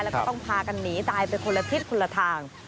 แล้วก็ต้องพากันหนีตายไปคนละทิศคนละทาง